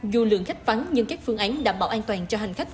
dù lượng khách vắng nhưng các phương án đảm bảo an toàn cho hành khách